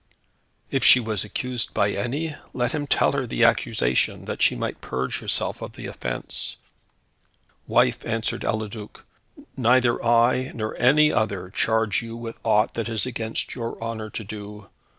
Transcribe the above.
If she was accused by any, let him tell her the accusation, that she might purge herself of the offence. "Wife," answered Eliduc, "neither I, nor any other, charge you with aught that is against your honour to do.